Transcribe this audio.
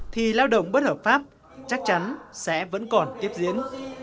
thì lao động bất hợp pháp chắc chắn sẽ vẫn còn tiếp diễn